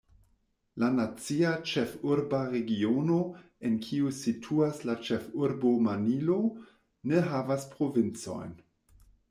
La Nacia Ĉefurba Regiono, en kiu situas la ĉefurbo Manilo, ne havas provincojn.